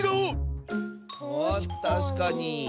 たしかに。